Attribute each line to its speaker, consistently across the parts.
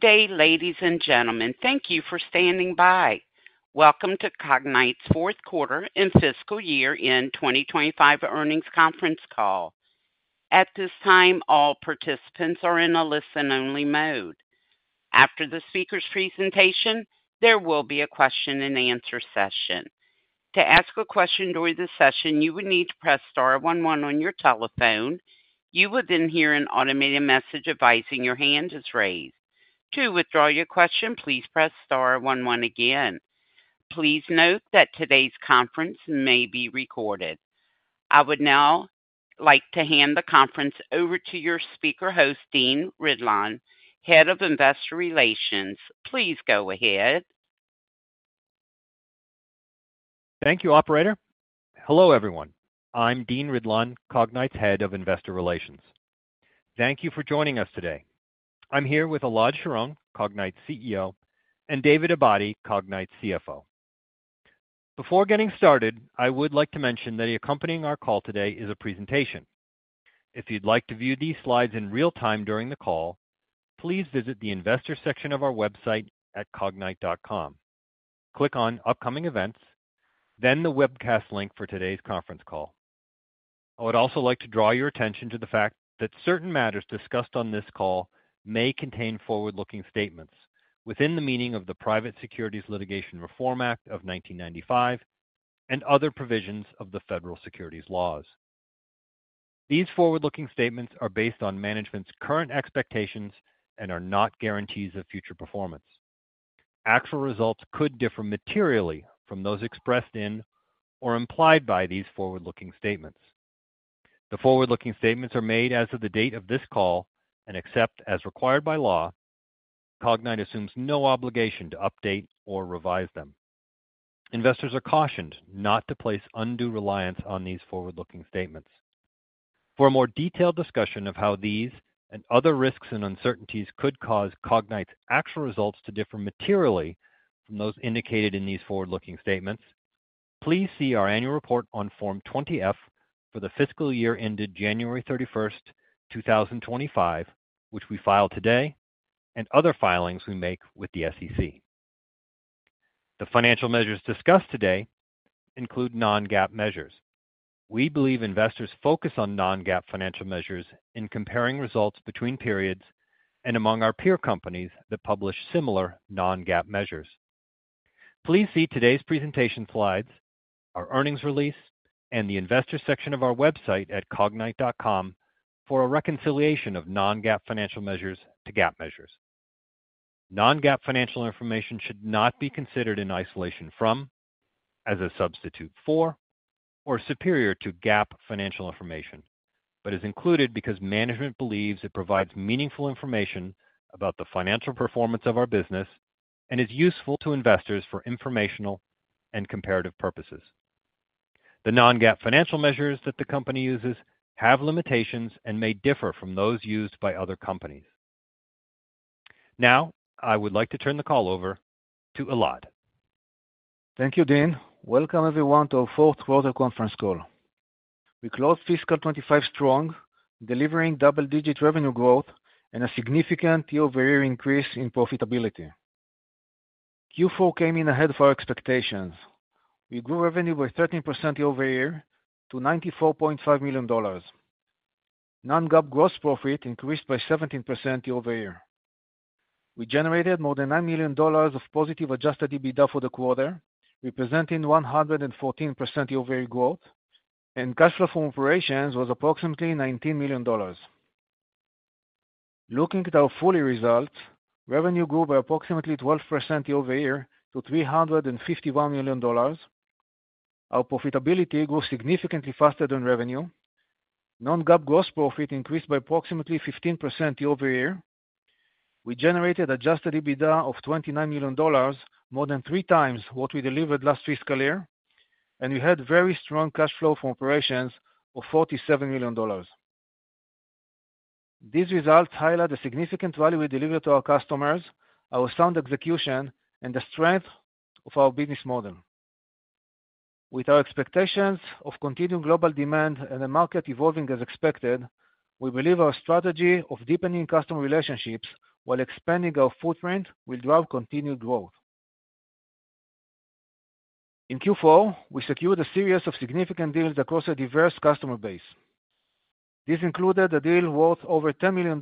Speaker 1: Good day, ladies and gentlemen. Thank you for standing by. Welcome to Cognyte's Fourth Quarter and Fiscal Year-End 2025 Earnings Conference Call. At this time, all participants are in a listen-only mode. After the speaker's presentation, there will be a question-and-answer session. To ask a question during the session, you would need to press star one one on your telephone. You will then hear an automated message advising your hand is raised. To withdraw your question, please press star one one again. Please note that today's conference may be recorded. I would now like to hand the conference over to your speaker host, Dean Ridlon, Head of Investor Relations. Please go ahead.
Speaker 2: Thank you, Operator. Hello, everyone. I'm Dean Ridlon, Cognyte's Head of Investor Relations. Thank you for joining us today. I'm here with Elad Sharon, Cognyte CEO, and David Abadi, Cognyte CFO. Before getting started, I would like to mention that accompanying our call today is a presentation. If you'd like to view these slides in real time during the call, please visit the investor section of our website at cognyte.com. Click on upcoming events, then the webcast link for today's conference call. I would also like to draw your attention to the fact that certain matters discussed on this call may contain forward-looking statements within the meaning of the Private Securities Litigation Reform Act of 1995 and other provisions of the federal securities laws. These forward-looking statements are based on management's current expectations and are not guarantees of future performance. Actual results could differ materially from those expressed in or implied by these forward-looking statements. The forward-looking statements are made as of the date of this call and except as required by law. Cognyte assumes no obligation to update or revise them. Investors are cautioned not to place undue reliance on these forward-looking statements. For a more detailed discussion of how these and other risks and uncertainties could cause Cognyte's actual results to differ materially from those indicated in these forward-looking statements, please see our annual report on Form 20-F for the fiscal year ended January 31, 2025, which we filed today, and other filings we make with the SEC. The financial measures discussed today include non-GAAP measures. We believe investors focus on non-GAAP financial measures in comparing results between periods and among our peer companies that publish similar non-GAAP measures. Please see today's presentation slides, our earnings release, and the investor section of our website at cognyte.com for a reconciliation of non-GAAP financial measures to GAAP measures. Non-GAAP financial information should not be considered in isolation from, as a substitute for, or superior to GAAP financial information, but is included because management believes it provides meaningful information about the financial performance of our business and is useful to investors for informational and comparative purposes. The non-GAAP financial measures that the company uses have limitations and may differ from those used by other companies. Now, I would like to turn the call over to Elad.
Speaker 3: Thank you, Dean. Welcome, everyone, to our fourth quarter conference call. We closed fiscal 2025 strong, delivering double-digit revenue growth and a significant year-over-year increase in profitability. Q4 came in ahead of our expectations. We grew revenue by 13% year-over-year to $94.5 million. Non-GAAP gross profit increased by 17% year-over-year. We generated more than $9 million of positive adjusted EBITDA for the quarter, representing 114% year-over-year growth, and cash flow from operations was approximately $19 million. Looking at our full-year results, revenue grew by approximately 12% year-over-year to $351 million. Our profitability grew significantly faster than revenue. Non-GAAP gross profit increased by approximately 15% year-over-year. We generated adjusted EBITDA of $29 million, more than three times what we delivered last fiscal year, and we had very strong cash flow from operations of $47 million. These results highlight the significant value we deliver to our customers, our sound execution, and the strength of our business model. With our expectations of continued global demand and the market evolving as expected, we believe our strategy of deepening customer relationships while expanding our footprint will drive continued growth. In Q4, we secured a series of significant deals across a diverse customer base. This included a deal worth over $10 million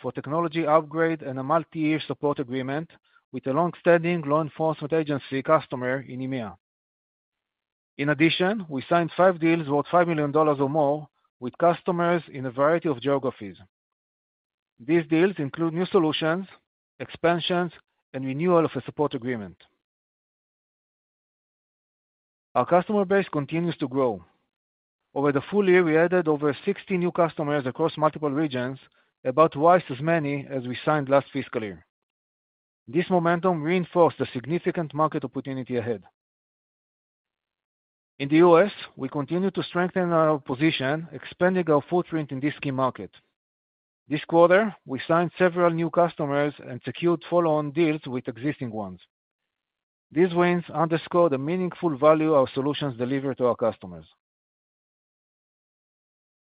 Speaker 3: for technology upgrade and a multi-year support agreement with a long-standing law enforcement agency customer in EMEA. In addition, we signed five deals worth $5 million or more with customers in a variety of geographies. These deals include new solutions, expansions, and renewal of a support agreement. Our customer base continues to grow. Over the full year, we added over 60 new customers across multiple regions, about twice as many as we signed last fiscal year. This momentum reinforced a significant market opportunity ahead. In the U.S., we continue to strengthen our position, expanding our footprint in this key market. This quarter, we signed several new customers and secured follow-on deals with existing ones. These wins underscore the meaningful value our solutions deliver to our customers.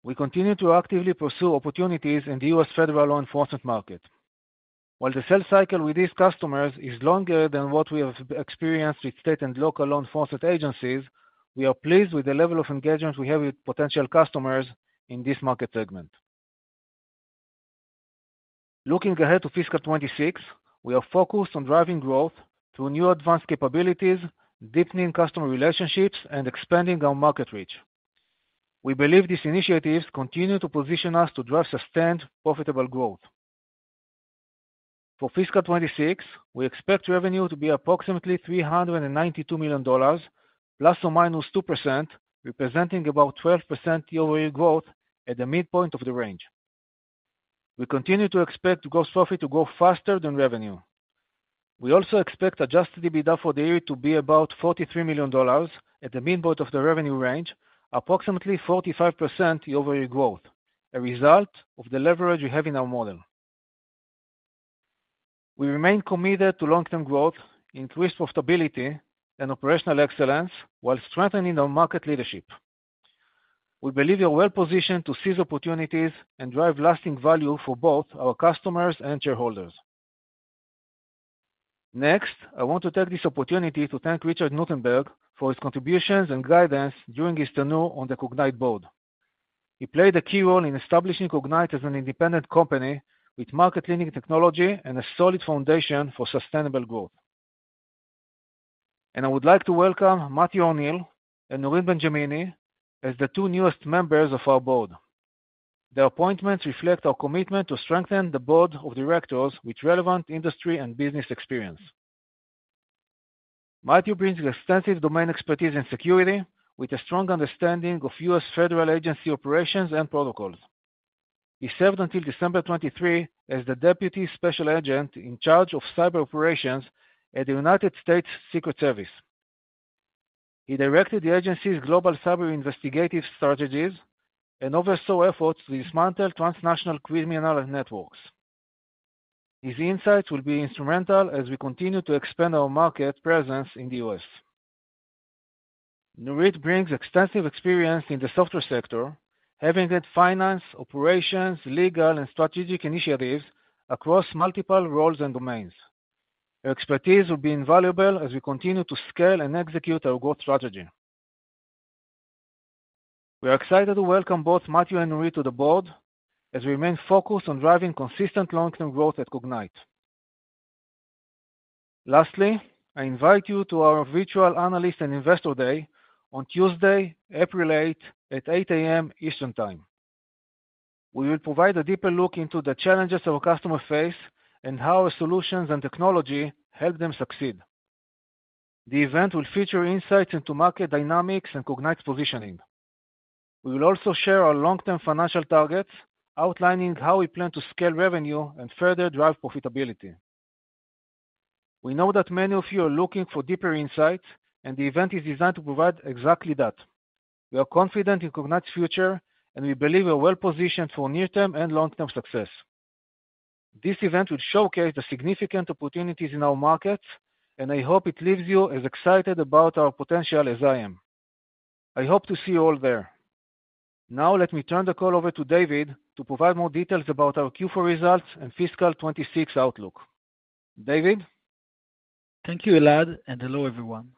Speaker 3: We continue to actively pursue opportunities in the U.S. federal law enforcement market. While the sales cycle with these customers is longer than what we have experienced with state and local law enforcement agencies, we are pleased with the level of engagement we have with potential customers in this market segment. Looking ahead to fiscal 2026, we are focused on driving growth through new advanced capabilities, deepening customer relationships, and expanding our market reach. We believe these initiatives continue to position us to drive sustained profitable growth. For fiscal 2026, we expect revenue to be approximately $392 million, plus or minus 2%, representing about 12% year-over-year growth at the midpoint of the range. We continue to expect gross profit to grow faster than revenue. We also expect adjusted EBITDA for the year to be about $43 million at the midpoint of the revenue range, approximately 45% year-over-year growth, a result of the leverage we have in our model. We remain committed to long-term growth, increased profitability, and operational excellence while strengthening our market leadership. We believe we are well-positioned to seize opportunities and drive lasting value for both our customers and shareholders. Next, I want to take this opportunity to thank Richard Nottenburg for his contributions and guidance during his tenure on the Cognyte board. He played a key role in establishing Cognyte as an independent company with market-leading technology and a solid foundation for sustainable growth. I would like to welcome Matthew O'Neill and Nurit Benjamini as the two newest members of our board. Their appointments reflect our commitment to strengthen the board of directors with relevant industry and business experience. Matthew brings extensive domain expertise in security with a strong understanding of U.S. federal agency operations and protocols. He served until December 2023 as the Deputy Special Agent in Charge of cyber operations at the United States Secret Service. He directed the agency's global cyber investigative strategies and oversaw efforts to dismantle transnational criminal networks. His insights will be instrumental as we continue to expand our market presence in the U.S. Nurit brings extensive experience in the software sector, having led finance, operations, legal, and strategic initiatives across multiple roles and domains. Her expertise will be invaluable as we continue to scale and execute our growth strategy. We are excited to welcome both Matthew and Nurit to the board as we remain focused on driving consistent long-term growth at Cognyte. Lastly, I invite you to our virtual analyst and investor day on Tuesday, April 8, at 8:00 A.M. Eastern Time. We will provide a deeper look into the challenges our customers face and how our solutions and technology help them succeed. The event will feature insights into market dynamics and Cognyte's positioning. We will also share our long-term financial targets, outlining how we plan to scale revenue and further drive profitability. We know that many of you are looking for deeper insights, and the event is designed to provide exactly that. We are confident in Cognyte's future, and we believe we are well-positioned for near-term and long-term success. This event will showcase the significant opportunities in our markets, and I hope it leaves you as excited about our potential as I am. I hope to see you all there. Now, let me turn the call over to David to provide more details about our Q4 results and fiscal 2026 outlook. David?
Speaker 4: Thank you, Elad, and hello, everyone.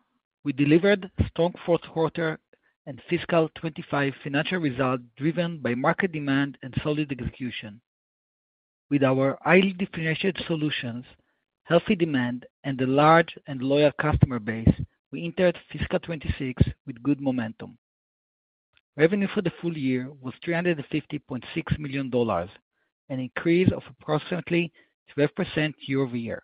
Speaker 4: We delivered strong fourth quarter and fiscal 2025 financial results driven by market demand and solid execution. With our highly differentiated solutions, healthy demand, and a large and loyal customer base, we entered fiscal 2026 with good momentum. Revenue for the full year was $350.6 million, an increase of approximately 12% year-over-year.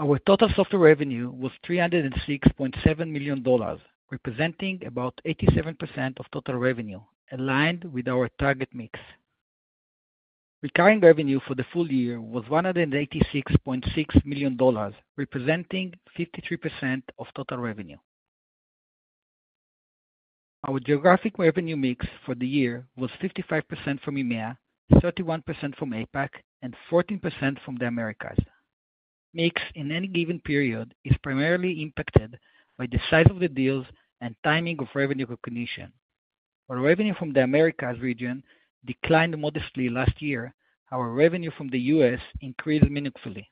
Speaker 4: Our total software revenue was $306.7 million, representing about 87% of total revenue, aligned with our target mix. Recurring revenue for the full year was $186.6 million, representing 53% of total revenue. Our geographic revenue mix for the year was 55% from EMEA, 31% from APAC, and 14% from the Americas. Mix in any given period is primarily impacted by the size of the deals and timing of revenue recognition. Our revenue from the Americas region declined modestly last year; our revenue from the U.S. increased meaningfully.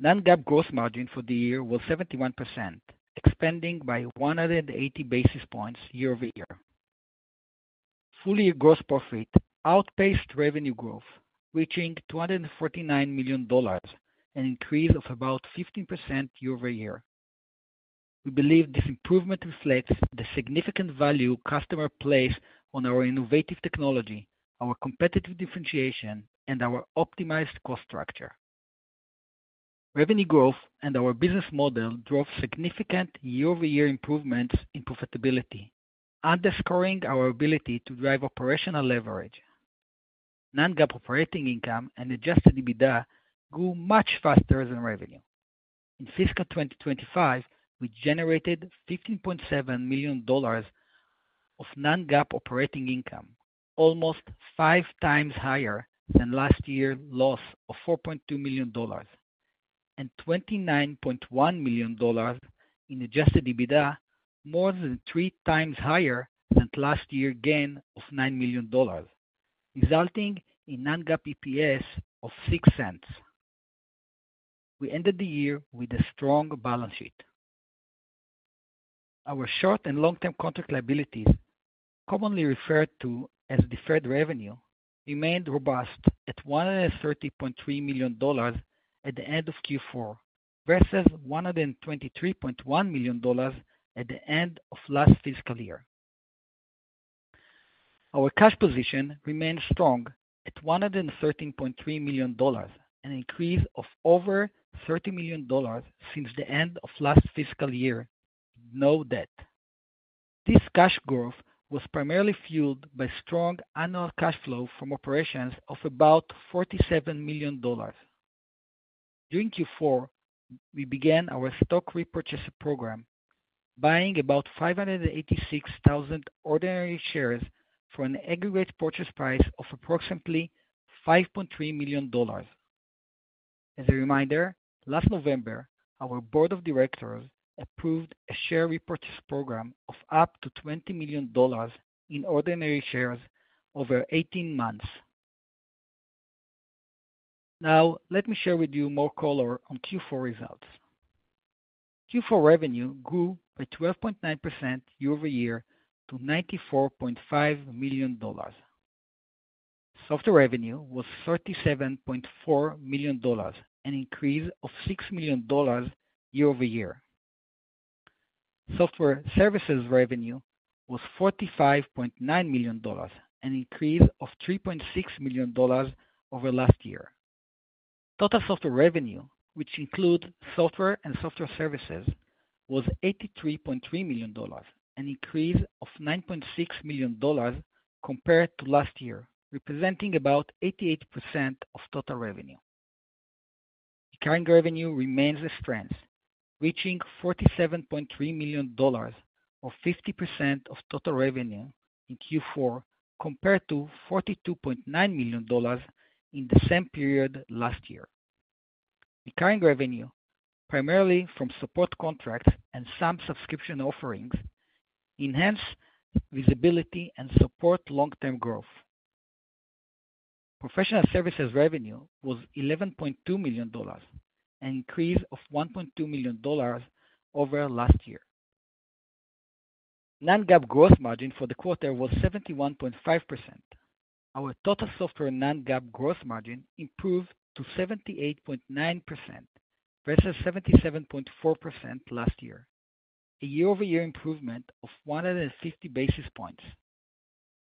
Speaker 4: Non-GAAP gross margin for the year was 71%, expanding by 180 basis points year-over-year. Full-year gross profit outpaced revenue growth, reaching $249 million, an increase of about 15% year-over-year. We believe this improvement reflects the significant value customers place on our innovative technology, our competitive differentiation, and our optimized cost structure. Revenue growth and our business model drove significant year-over-year improvements in profitability, underscoring our ability to drive operational leverage. Non-GAAP operating income and adjusted EBITDA grew much faster than revenue. In fiscal 2025, we generated $15.7 million of non-GAAP operating income, almost five times higher than last year's loss of $4.2 million and $29.1 million in adjusted EBITDA, more than three times higher than last year's gain of $9 million, resulting in non-GAAP EPS of $0.06. We ended the year with a strong balance sheet. Our short and long-term contract liabilities, commonly referred to as deferred revenue, remained robust at $130.3 million at the end of Q4 versus $123.1 million at the end of last fiscal year. Our cash position remained strong at $113.3 million and an increase of over $30 million since the end of last fiscal year with no debt. This cash growth was primarily fueled by strong annual cash flow from operations of about $47 million. During Q4, we began our stock repurchase program, buying about 586,000 ordinary shares for an aggregate purchase price of approximately $5.3 million. As a reminder, last November, our board of directors approved a share repurchase program of up to $20 million in ordinary shares over 18 months. Now, let me share with you more color on Q4 results. Q4 revenue grew by 12.9% year-over-year to $94.5 million. Software revenue was $37.4 million and an increase of $6 million year-over-year. Software services revenue was $45.9 million and an increase of $3.6 million over last year. Total software revenue, which includes software and software services, was $83.3 million and an increase of $9.6 million compared to last year, representing about 88% of total revenue. Recurring revenue remains a strength, reaching $47.3 million, or 50% of total revenue in Q4, compared to $42.9 million in the same period last year. Recurring revenue, primarily from support contracts and some subscription offerings, enhanced visibility and support long-term growth. Professional services revenue was $11.2 million and an increase of $1.2 million over last year. Non-GAAP gross margin for the quarter was 71.5%. Our total software non-GAAP gross margin improved to 78.9% versus 77.4% last year, a year-over-year improvement of 150 basis points.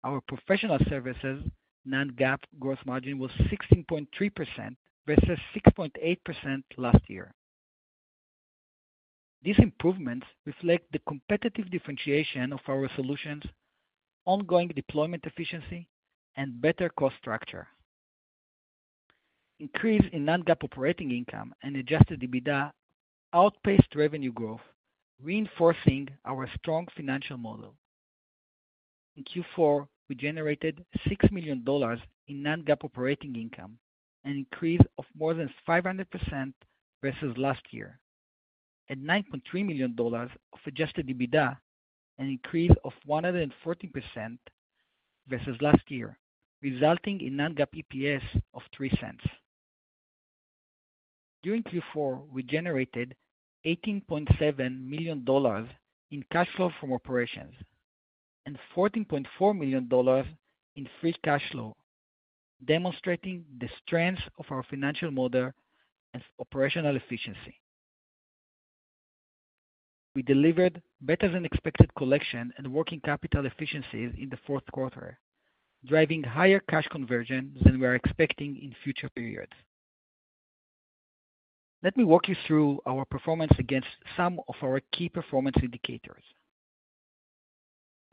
Speaker 4: Our professional services non-GAAP gross margin was 16.3% versus 6.8% last year. These improvements reflect the competitive differentiation of our solutions, ongoing deployment efficiency, and better cost structure. Increase in non-GAAP operating income and adjusted EBITDA outpaced revenue growth, reinforcing our strong financial model. In Q4, we generated $6 million in non-GAAP operating income, an increase of more than 500% versus last year, and $9.3 million of adjusted EBITDA, an increase of 114% versus last year, resulting in non-GAAP EPS of $0.03. During Q4, we generated $18.7 million in cash flow from operations and $14.4 million in free cash flow, demonstrating the strength of our financial model and operational efficiency. We delivered better-than-expected collection and working capital efficiencies in the fourth quarter, driving higher cash conversion than we are expecting in future periods. Let me walk you through our performance against some of our key performance indicators.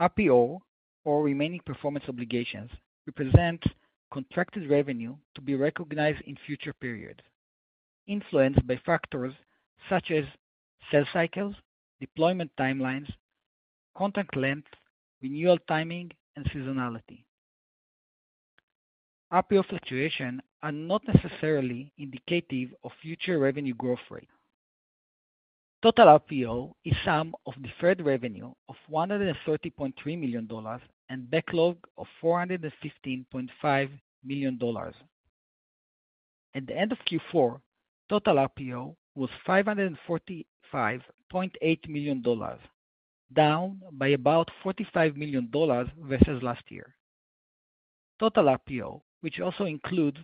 Speaker 4: RPO, or remaining performance obligations, represents contracted revenue to be recognized in future periods, influenced by factors such as sales cycles, deployment timelines, contract length, renewal timing, and seasonality. RPO fluctuations are not necessarily indicative of future revenue growth rates. Total RPO is the sum of deferred revenue of $130.3 million and backlog of $415.5 million. At the end of Q4, total RPO was $545.8 million, down by about $45 million versus last year. Total RPO, which also includes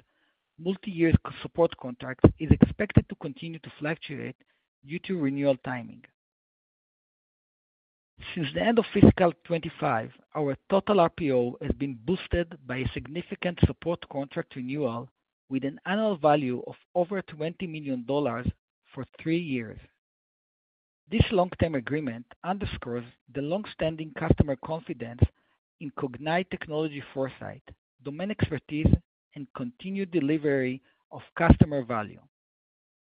Speaker 4: multi-year support contracts, is expected to continue to fluctuate due to renewal timing. Since the end of fiscal 2025, our total RPO has been boosted by a significant support contract renewal with an annual value of over $20 million for three years. This long-term agreement underscores the long-standing customer confidence in Cognyte technology, foresight, domain expertise, and continued delivery of customer value.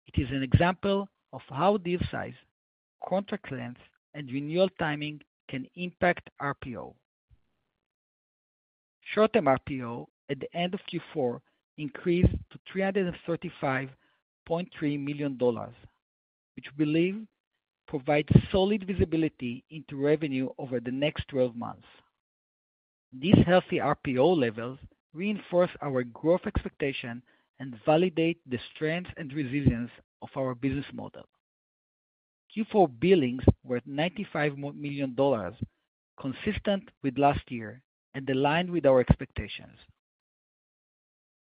Speaker 4: It is an example of how deal size, contract length, and renewal timing can impact RPO. Short-term RPO at the end of Q4 increased to $335.3 million, which we believe provides solid visibility into revenue over the next 12 months. These healthy RPO levels reinforce our growth expectation and validate the strength and resilience of our business model. Q4 billings were $95 million, consistent with last year and aligned with our expectations.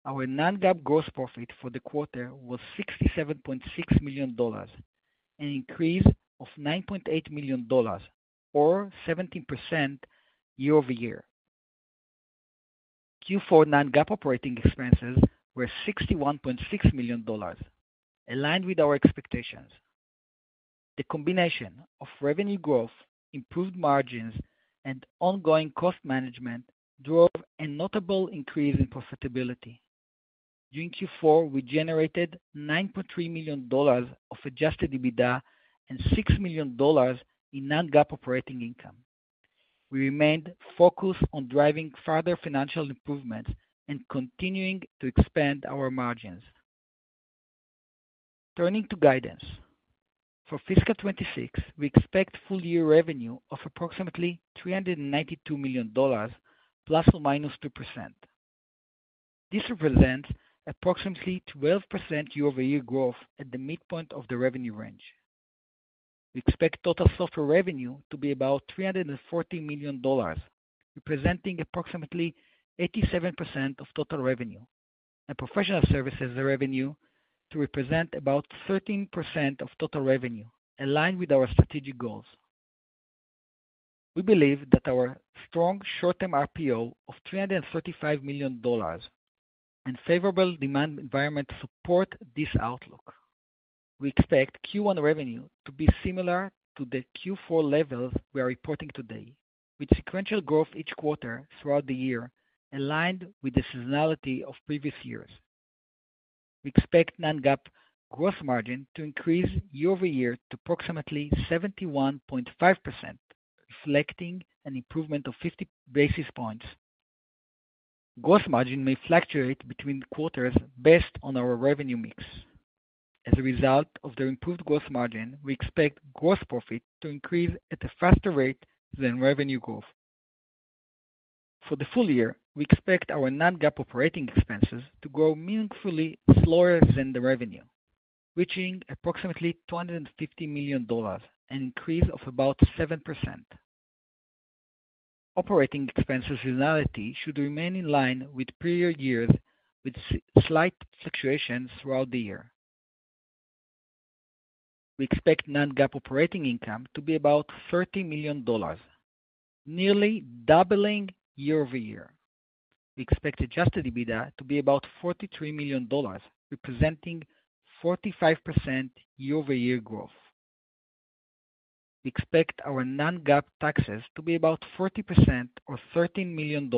Speaker 4: Our non-GAAP gross profit for the quarter was $67.6 million, an increase of $9.8 million, or 17% year-over-year. Q4 non-GAAP operating expenses were $61.6 million, aligned with our expectations. The combination of revenue growth, improved margins, and ongoing cost management drove a notable increase in profitability. During Q4, we generated $9.3 million of adjusted EBITDA and $6 million in non-GAAP operating income. We remained focused on driving further financial improvements and continuing to expand our margins. Turning to guidance, for fiscal 2026, we expect full-year revenue of approximately $392 million, ±2%. This represents approximately 12% year-over-year growth at the midpoint of the revenue range. We expect total software revenue to be about $314 million, representing approximately 87% of total revenue, and professional services revenue to represent about 13% of total revenue, aligned with our strategic goals. We believe that our strong short-term RPO of $335 million and favorable demand environment support this outlook. We expect Q1 revenue to be similar to the Q4 levels we are reporting today, with sequential growth each quarter throughout the year, aligned with the seasonality of previous years. We expect non-GAAP gross margin to increase year-over-year to approximately 71.5%, reflecting an improvement of 50 basis points. Gross margin may fluctuate between quarters based on our revenue mix. As a result of the improved gross margin, we expect gross profit to increase at a faster rate than revenue growth. For the full year, we expect our non-GAAP operating expenses to grow meaningfully slower than the revenue, reaching approximately $250 million, an increase of about 7%. Operating expense seasonality should remain in line with previous years, with slight fluctuations throughout the year. We expect non-GAAP operating income to be about $30 million, nearly doubling year-over-year. We expect adjusted EBITDA to be about $43 million, representing 45% year-over-year growth. We expect our non-GAAP taxes to be about 40% or $13 million,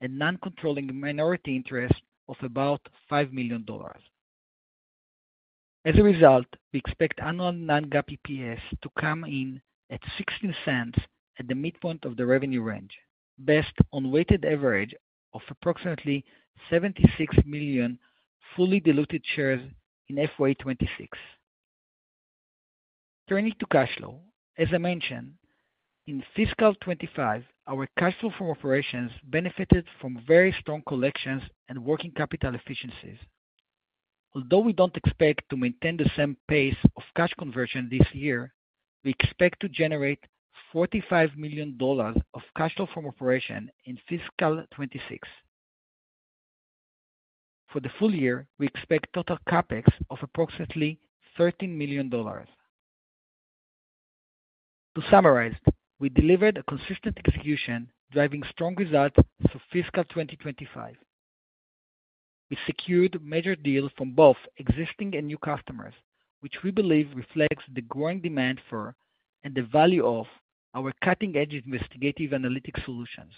Speaker 4: a non-controlling minority interest of about $5 million. As a result, we expect annual non-GAAP EPS to come in at $0.16 at the midpoint of the revenue range, based on weighted average of approximately 76 million fully diluted shares in FY 2026. Turning to cash flow, as I mentioned, in fiscal 2025, our cash flow from operations benefited from very strong collections and working capital efficiencies. Although we do not expect to maintain the same pace of cash conversion this year, we expect to generate $45 million of cash flow from operations in fiscal 2026. For the full year, we expect total CapEx of approximately $13 million. To summarize, we delivered a consistent execution, driving strong results for fiscal 2025. We secured major deals from both existing and new customers, which we believe reflects the growing demand for and the value of our cutting-edge investigative analytics solutions.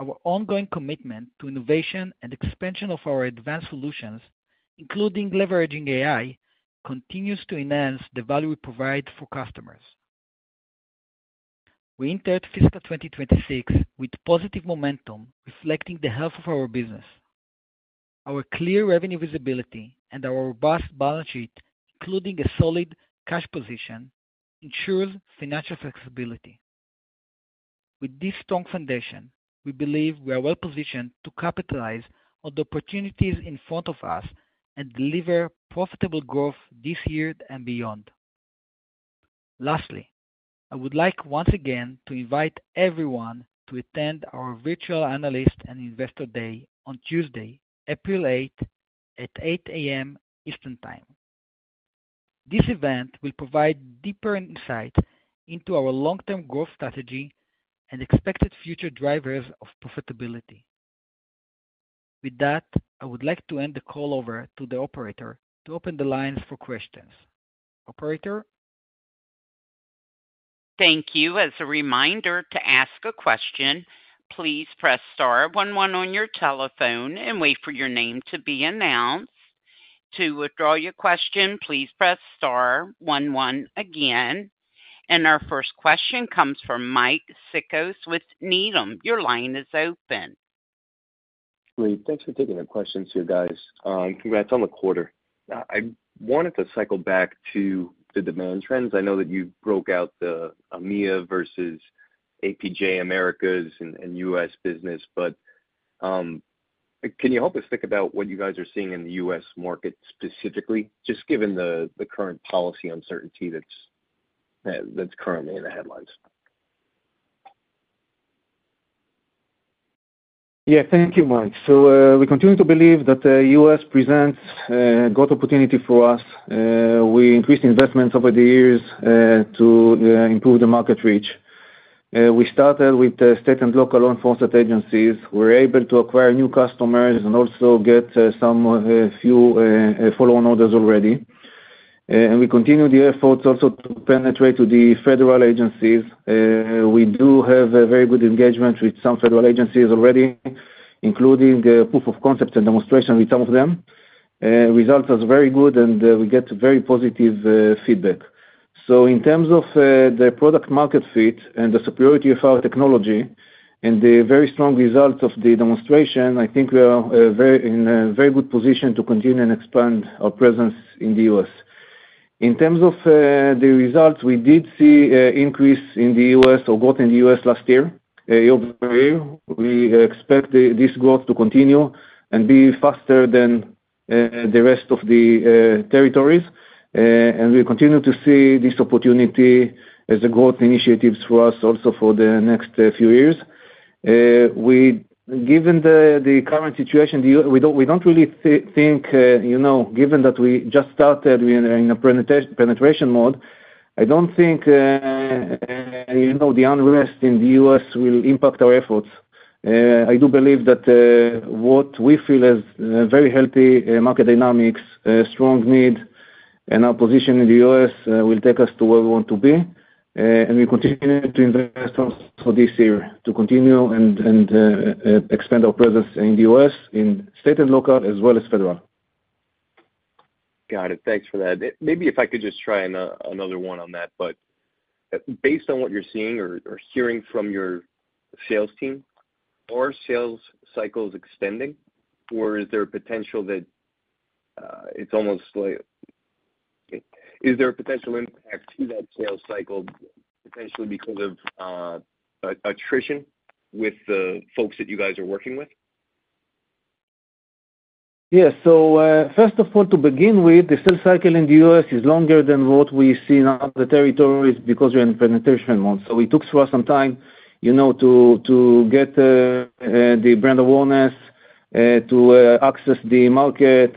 Speaker 4: Our ongoing commitment to innovation and expansion of our advanced solutions, including leveraging AI, continues to enhance the value we provide for customers. We entered fiscal 2026 with positive momentum, reflecting the health of our business. Our clear revenue visibility and our robust balance sheet, including a solid cash position, ensure financial flexibility. With this strong foundation, we believe we are well positioned to capitalize on the opportunities in front of us and deliver profitable growth this year and beyond. Lastly, I would like once again to invite everyone to attend our Virtual Analyst and Investor Day on Tuesday, April 8, at 8:00 A.M. Eastern Time. This event will provide deeper insight into our long-term growth strategy and expected future drivers of profitability. With that, I would like to end the call over to the operator to open the lines for questions. Operator?
Speaker 1: Thank you. As a reminder to ask a question, please press star one one on your telephone and wait for your name to be announced. To withdraw your question, please press star one one again. Our first question comes from Mike Cikos with Needham. Your line is open.
Speaker 5: Great. Thanks for taking the questions, you guys. Congrats on the quarter. I wanted to cycle back to the demand trends. I know that you broke out the EMEA versus APAC, Americas, and U.S. business, but can you help us think about what you guys are seeing in the U.S. market specifically, just given the current policy uncertainty that's currently in the headlines?
Speaker 3: Yeah, thank you, Mike. We continue to believe that the U.S. presents a great opportunity for us. We increased investments over the years to improve the market reach. We started with state and local law enforcement agencies. We were able to acquire new customers and also get some few follow-on orders already. We continue the efforts also to penetrate to the federal agencies. We do have a very good engagement with some federal agencies already, including proof of concept and demonstration with some of them. Results are very good, and we get very positive feedback. In terms of the product-market fit and the superiority of our technology and the very strong results of the demonstration, I think we are in a very good position to continue and expand our presence in the U.S. In terms of the results, we did see an increase in the U.S. or growth in the U.S. last year. Year-over-year, we expect this growth to continue and be faster than the rest of the territories. We continue to see this opportunity as a growth initiative for us also for the next few years. Given the current situation, we do not really think, given that we just started in a penetration mode, I do not think the unrest in the U.S. will impact our efforts. I do believe that what we feel is very healthy market dynamics, strong need, and our position in the U.S. will take us to where we want to be. We continue to invest also this year to continue and expand our presence in the U.S., in state and local, as well as federal.
Speaker 5: Got it. Thanks for that. Maybe if I could just try another one on that. Based on what you are seeing or hearing from your sales team, are sales cycles extending, or is there a potential that it is almost like is there a potential impact to that sales cycle, potentially because of attrition with the folks that you guys are working with?
Speaker 3: Yeah. First of all, to begin with, the sales cycle in the U.S. is longer than what we see in other territories because we're in penetration mode. It took for us some time to get the brand awareness, to access the market,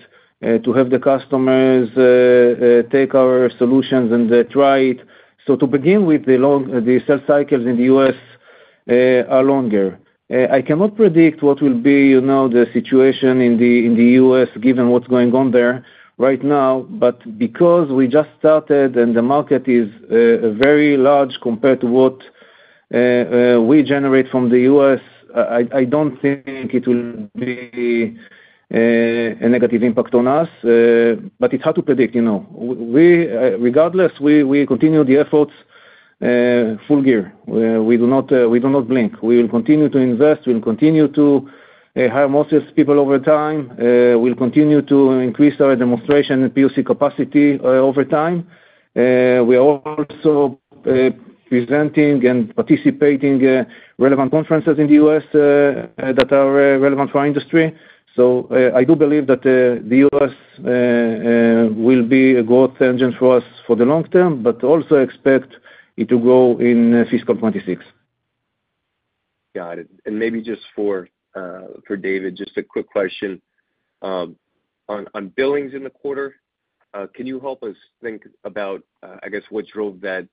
Speaker 3: to have the customers take our solutions and try it. To begin with, the sales cycles in the U.S. are longer. I cannot predict what will be the situation in the U.S., given what's going on there right now. Because we just started and the market is very large compared to what we generate from the U.S., I don't think it will be a negative impact on us. It's hard to predict. Regardless, we continue the efforts full gear. We do not blink. We will continue to invest. We'll continue to hire more salespeople over time. We'll continue to increase our demonstration and POC capacity over time. We are also presenting and participating in relevant conferences in the U.S. that are relevant for our industry. I do believe that the U.S. will be a growth engine for us for the long term, but also expect it to grow in fiscal 2026.
Speaker 5: Got it. Maybe just for David, just a quick question. On billings in the quarter, can you help us think about, I guess, what drove that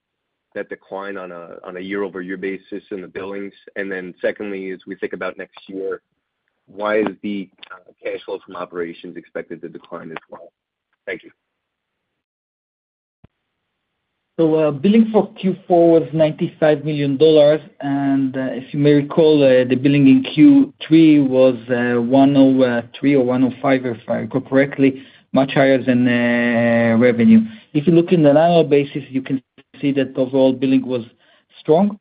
Speaker 5: decline on a year-over-year basis in the billings? Secondly, as we think about next year, why is the cash flow from operations expected to decline as well? Thank you.
Speaker 4: Billing for Q4 was $95 million. If you may recall, the billing in Q3 was $103 million or $105 million, if I recall correctly, much higher than revenue. If you look in the annual basis, you can see that overall billing was strong.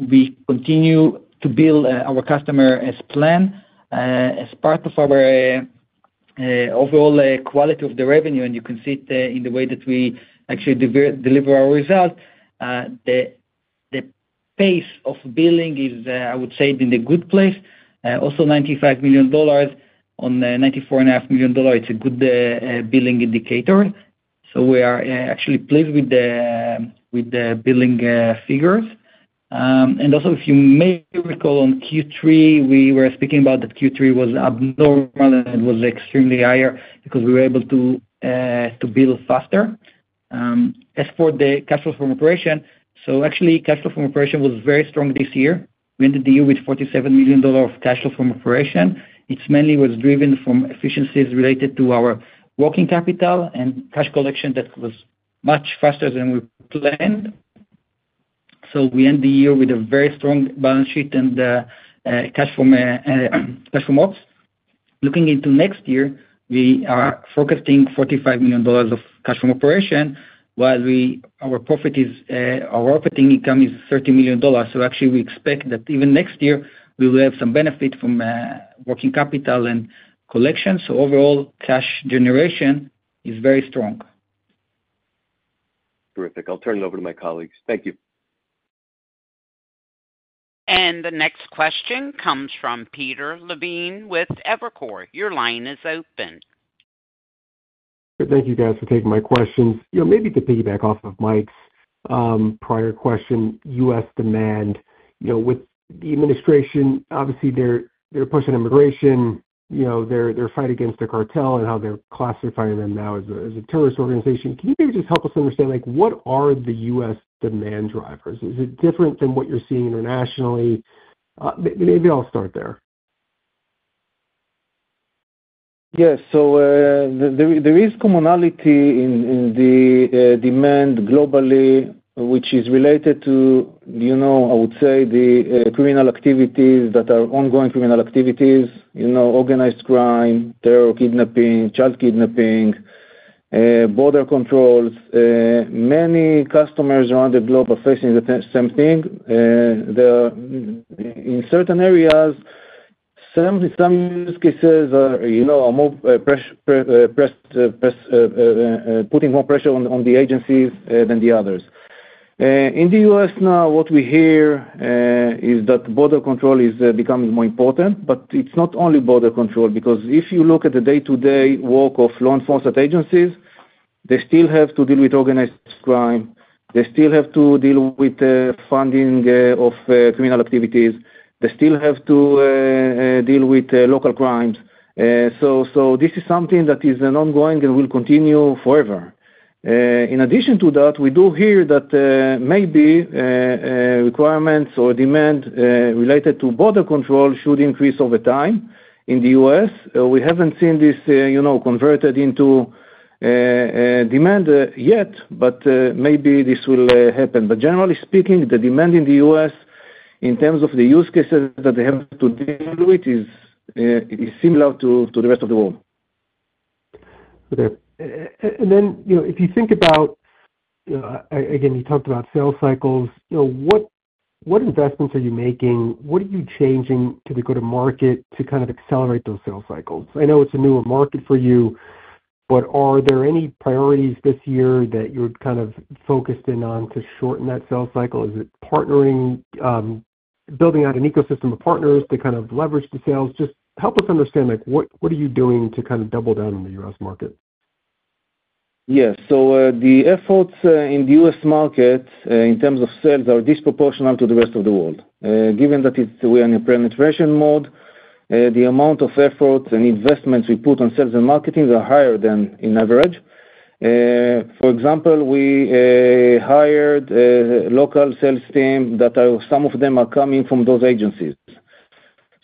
Speaker 4: We continue to bill our customers as planned. As part of our overall quality of the revenue, and you can see it in the way that we actually deliver our results, the pace of billing is, I would say, in a good place. Also, $95 million on $94.5 million, it's a good billing indicator. We are actually pleased with the billing figures. If you may recall, on Q3, we were speaking about that Q3 was abnormal and it was extremely higher because we were able to bill faster. As for the cash flow from operation, cash flow from operation was very strong this year. We ended the year with $47 million of cash flow from operation. It mainly was driven from efficiencies related to our working capital and cash collection that was much faster than we planned. We end the year with a very strong balance sheet and cash flow marks. Looking into next year, we are forecasting $45 million of cash flow operation, while our profit income is $30 million. Actually, we expect that even next year, we will have some benefit from working capital and collection. Overall, cash generation is very strong.
Speaker 5: Terrific. I'll turn it over to my colleagues. Thank you.
Speaker 1: The next question comes from Peter Levine with Evercore. Your line is open.
Speaker 6: Thank you, guys, for taking my questions. Maybe to piggyback off of Mike's prior question, U.S. demand. With the administration, obviously, they're pushing immigration. They're fighting against the cartel and how they're classifying them now as a terrorist organization. Can you maybe just help us understand what are the U.S. demand drivers? Is it different than what you're seeing internationally? Maybe I'll start there.
Speaker 3: Yeah. There is commonality in the demand globally, which is related to, I would say, the criminal activities that are ongoing criminal activities, organized crime, terror kidnapping, child kidnapping, border controls. Many customers around the globe are facing the same thing. In certain areas, some use cases are putting more pressure on the agencies than the others. In the U.S. now, what we hear is that border control is becoming more important. It is not only border control because if you look at the day-to-day work of law enforcement agencies, they still have to deal with organized crime. They still have to deal with funding of criminal activities. They still have to deal with local crimes. This is something that is ongoing and will continue forever. In addition to that, we do hear that maybe requirements or demand related to border control should increase over time in the U.S. We have not seen this converted into demand yet, but maybe this will happen. Generally speaking, the demand in the U.S., in terms of the use cases that they have to deal with, is similar to the rest of the world.
Speaker 6: If you think about, again, you talked about sales cycles. What investments are you making? What are you changing to the go-to-market to kind of accelerate those sales cycles? I know it is a newer market for you, but are there any priorities this year that you are kind of focused in on to shorten that sales cycle? Is it partnering, building out an ecosystem of partners to kind of leverage the sales? Just help us understand what are you doing to kind of double down on the U.S. market?
Speaker 3: Yeah. The efforts in the U.S. market, in terms of sales, are disproportional to the rest of the world. Given that we are in a penetration mode, the amount of efforts and investments we put on sales and marketing are higher than in average. For example, we hired local sales teams that some of them are coming from those agencies.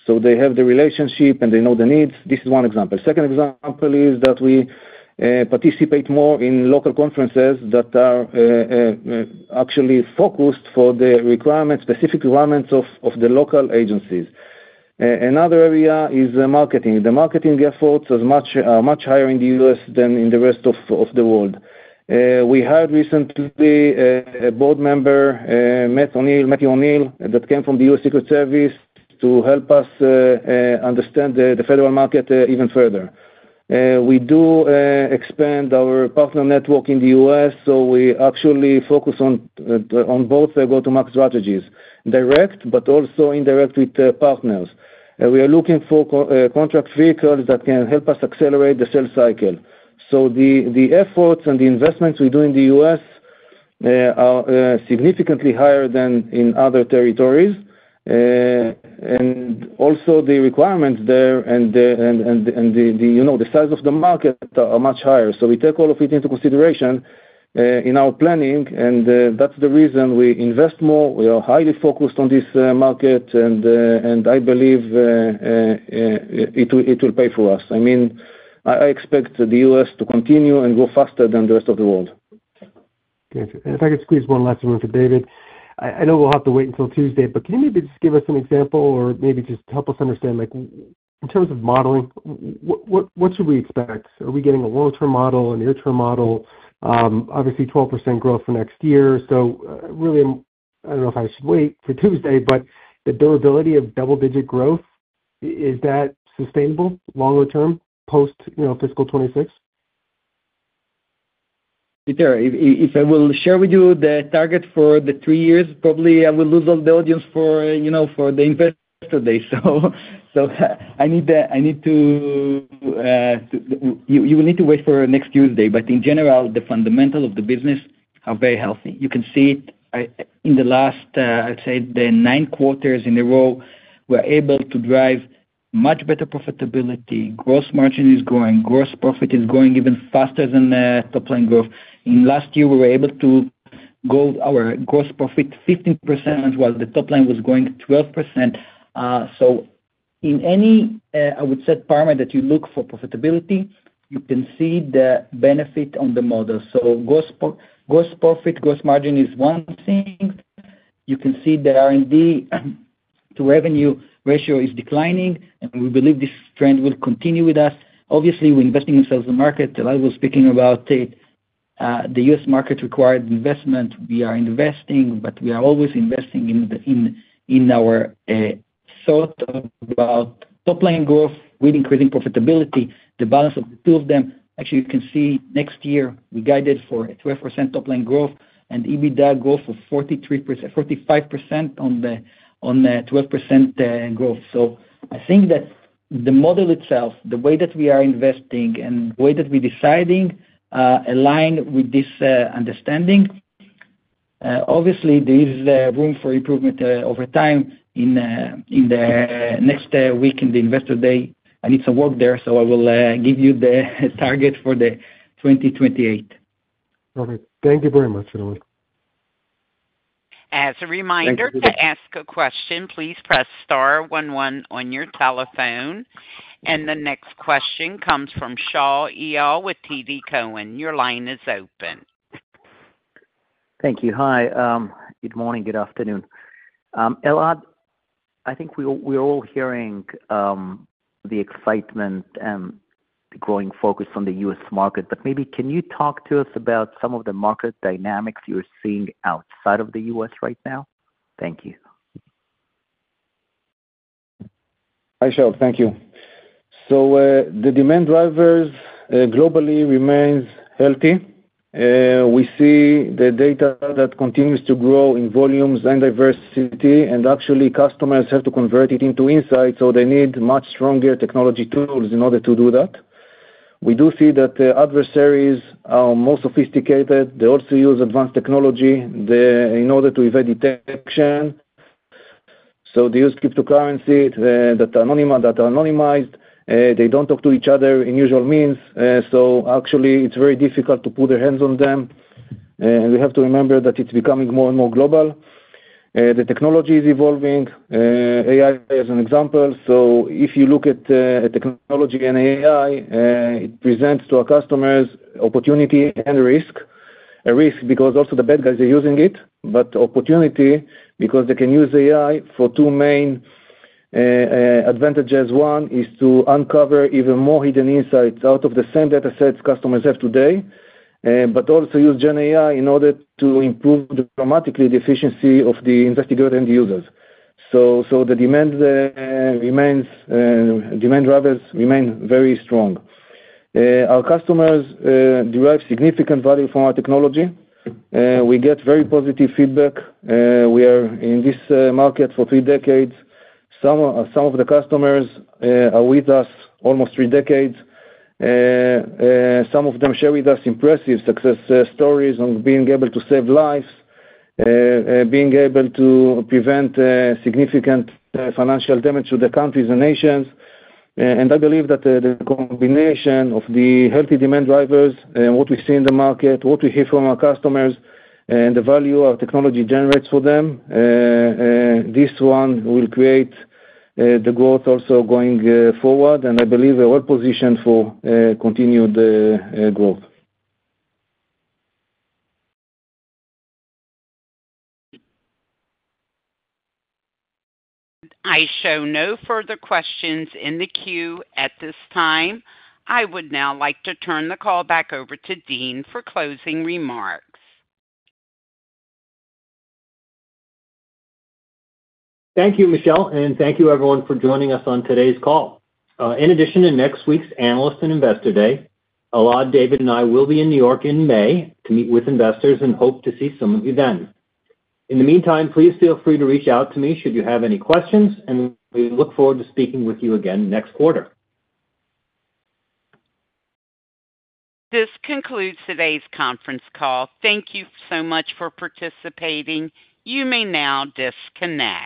Speaker 3: They have the relationship and they know the needs. This is one example. Second example is that we participate more in local conferences that are actually focused for the specific requirements of the local agencies. Another area is marketing. The marketing efforts are much higher in the U.S. than in the rest of the world. We hired recently a board member, Matthew O'Neill, that came from the U.S. Secret Service to help us understand the federal market even further. We do expand our partner network in the U.S., so we actually focus on both go-to-market strategies, direct, but also indirect with partners. We are looking for contract vehicles that can help us accelerate the sales cycle. The efforts and the investments we do in the U.S. are significantly higher than in other territories. Also, the requirements there and the size of the market are much higher. We take all of it into consideration in our planning, and that's the reason we invest more. We are highly focused on this market, and I believe it will pay for us. I mean, I expect the U.S. to continue and grow faster than the rest of the world.
Speaker 6: Gotcha. If I could squeeze one last one for David. I know we'll have to wait until Tuesday, but can you maybe just give us an example or maybe just help us understand, in terms of modeling, what should we expect? Are we getting a long-term model, a near-term model? Obviously, 12% growth for next year. I don't know if I should wait for Tuesday, but the durability of double-digit growth, is that sustainable longer term post-fiscal 2026?
Speaker 4: Peter, if I will share with you the target for the three years, probably I will lose all the audience for the investor day. You will need to wait for next Tuesday. In general, the fundamentals of the business are very healthy. You can see it in the last, I'd say, the nine quarters in a row, we're able to drive much better profitability. Gross margin is growing. Gross profit is growing even faster than top-line growth. In last year, we were able to grow our gross profit 15% while the top-line was growing 12%. In any, I would say, parameter that you look for profitability, you can see the benefit on the model. Gross profit, gross margin is one thing. You can see the R&D to revenue ratio is declining, and we believe this trend will continue with us. Obviously, we're investing in sales and market. Like I was speaking about, the U.S. market required investment. We are investing, but we are always investing in our thought about top-line growth with increasing profitability. The balance of the two of them, actually, you can see next year, we guided for a 12% top-line growth and EBITDA growth of 45% on the 12% growth. I think that the model itself, the way that we are investing and the way that we're deciding aligns with this understanding. Obviously, there is room for improvement over time. In the next week in the investor day, I need some work there, so I will give you the target for 2028.
Speaker 6: Perfect. Thank you very much, everyone.
Speaker 1: As a reminder, to ask a question, please press star 11 on your telephone. The next question comes from Shaul Eyal with TD Cowen. Your line is open.
Speaker 7: Thank you. Hi. Good morning. Good afternoon. Elad, I think we're all hearing the excitement and the growing focus on the U.S. market. Maybe can you talk to us about some of the market dynamics you're seeing outside of the U.S. right now? Thank you.
Speaker 3: Hi, Shaul. Thank you. The demand drivers globally remain healthy. We see the data that continues to grow in volumes and diversity. Actually, customers have to convert it into insights, so they need much stronger technology tools in order to do that. We do see that the adversaries are more sophisticated. They also use advanced technology in order to evade detection. They use cryptocurrency that are anonymized. They do not talk to each other in usual means. Actually, it is very difficult to put their hands on them. We have to remember that it is becoming more and more global. The technology is evolving. AI is an example. If you look at technology and AI, it presents to our customers opportunity and risk. A risk because also the bad guys are using it, but opportunity because they can use AI for two main advantages. One is to uncover even more hidden insights out of the same datasets customers have today, but also use GenAI in order to improve dramatically the efficiency of the investigator and the users. The demand drivers remain very strong. Our customers derive significant value from our technology. We get very positive feedback. We are in this market for three decades. Some of the customers are with us almost three decades. Some of them share with us impressive success stories on being able to save lives, being able to prevent significant financial damage to the countries and nations. I believe that the combination of the healthy demand drivers and what we see in the market, what we hear from our customers, and the value our technology generates for them, this one will create the growth also going forward. I believe we're well positioned for continued growth.
Speaker 1: I show no further questions in the queue at this time. I would now like to turn the call back over to Dean for closing remarks.
Speaker 2: Thank you, Michelle, and thank you, everyone, for joining us on today's call. In addition to next week's Analysts and Investor Day, Elad, David, and I will be in New York in May to meet with investors and hope to see some of you then. In the meantime, please feel free to reach out to me should you have any questions, and we look forward to speaking with you again next quarter.
Speaker 1: This concludes today's conference call. Thank you so much for participating. You may now disconnect.